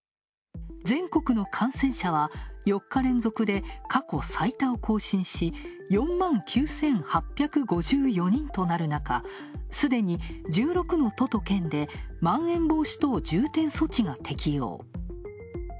全国の感染者は４日連続で過去最多を更新し４万９８５４人となる中すでに１６の都と県でまん延防止等重点措置が適用。